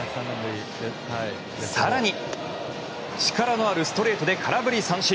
更に、力のあるストレートで空振り三振！